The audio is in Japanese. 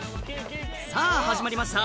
さぁ始まりました